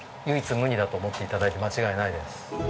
唯一無二だと思って頂いて間違いないです。